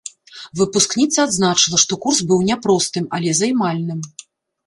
Выпускніца адзначыла, што курс быў няпростым, але займальным.